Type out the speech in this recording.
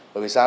bởi vì sao